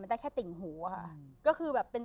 แบบไปคิดไปเล่นละกัน